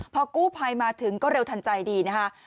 พอกู้ภัยมาถึงก็เร็วทันใจดีนะคะ